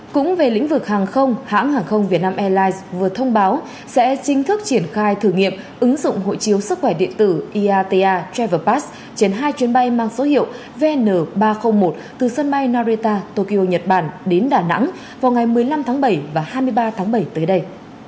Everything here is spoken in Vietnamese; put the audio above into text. cũng về lĩnh vực hàng không hãng hàng không việt nam airlines vừa thông báo sẽ chính thức triển khai thử nghiệm ứng dụng hội chiếu sức khỏe điện tử iata travel past trên hai chuyến bay mang số hiệu vn ba trăm linh một từ sân bay nareta tokyo nhật bản đến đà nẵng vào ngày một mươi năm tháng bảy và hai mươi ba tháng bảy tới đây